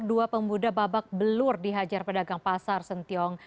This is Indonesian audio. dua pemuda babak belur dihajar pedagang pasar sentiong